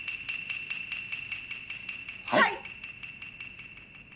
はい！